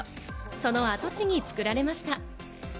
その跡地に作られました。